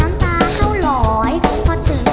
มันเติบเติบ